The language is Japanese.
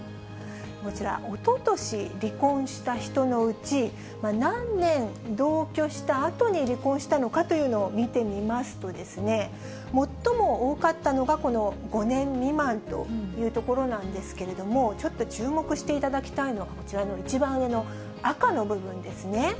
こちら、おととし離婚した人のうち、何年同居したあとに離婚したのかというのを見てみますと、最も多かったのが、この５年未満というところなんですけれども、ちょっと注目していただきたいのが、こちらの一番上の赤の部分ですね。